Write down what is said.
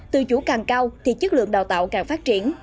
tự chủ càng cao thì chất lượng đào tạo càng phát triển